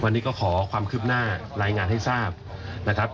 วันนี้ก็ขอความคืบหน้ารายงานให้ทราบนะครับ